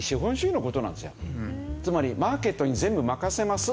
つまりマーケットに全部任せますという。